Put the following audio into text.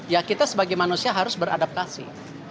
ya kita sebagai manusia harus beradaptasi